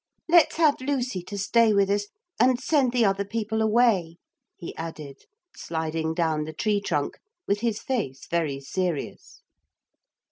Let's have Lucy to stay with us, and send the other people away,' he added, sliding down the tree trunk with his face very serious.